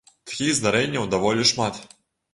Такіх здарэнняў даволі шмат.